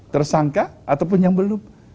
tersangka ataupun yang belum